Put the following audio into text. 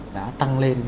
đã tăng lên